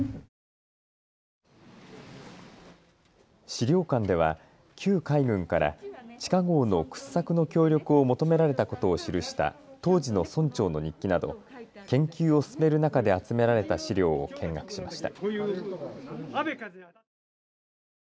資料館では旧海軍から地下ごうの掘削の協力を求められたことを記した当時の村長の日記など研究を進める中で集められた資料を見学しました。